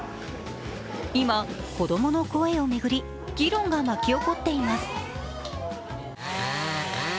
今、子供の声を巡り議論が巻き起こっています。